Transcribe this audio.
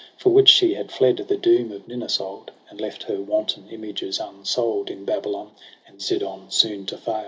For which she had fled the doom of Ninus old. And left her wanton images unsoul'd In Babylon and Zidon soon to faU.